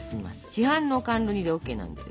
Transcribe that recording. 市販の甘露煮でＯＫなんですよ。